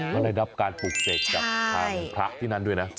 มันได้รับการปลูกเศกจากพระที่นั้นด้วยนะ